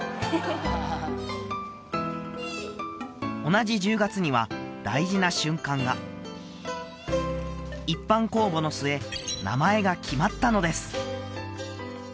同じ１０月には大事な瞬間が一般公募の末名前が決まったのです